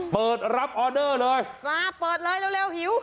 เปิดรับออเดอร์เลยมาเปิดเลยเร็วหิว